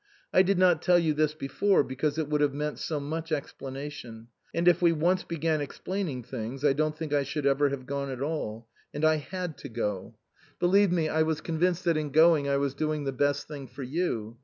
I did not tell you this before because it would have meant so much explanation, and if we once began explaining things I don't think I should ever have gone at all. And I had to go. 130 INLAND Believe me, I was convinced that in going I was doing the best thing for you.